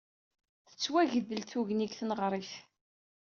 Tettwagdel tguni deg tneɣrit.